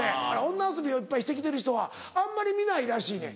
女遊びをいっぱいして来てる人はあんまり見ないらしいねん。